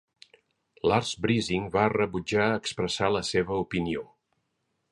Lars Brising va rebutjar expressar la seva opinió.